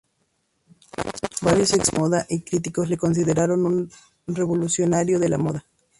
Varios expertos en moda y críticos le consideraron un revolucionario de la moda.